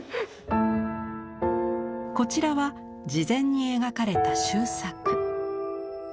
こちらは事前に描かれた習作。